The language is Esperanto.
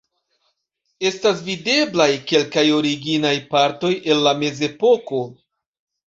Estas videblaj kelkaj originaj partoj el la mezepoko.